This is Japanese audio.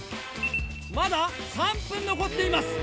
まだ３分残っています。